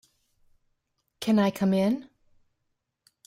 Can I come in?